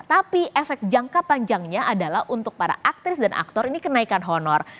tapi efek jangka panjangnya adalah untuk para aktris dan aktor ini kenaikan honor